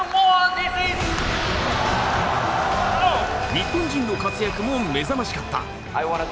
日本人の活躍も目覚ましかった。